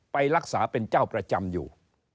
ไปรักษาเป็นเจ้าประจำอยู่